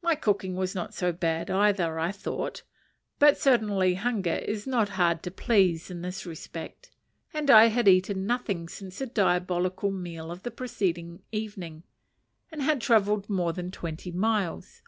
My cooking was not so bad either, I thought; but certainly hunger is not hard to please in this respect, and I had eaten nothing since the diabolical meal of the preceding evening, and had travelled more than twenty miles.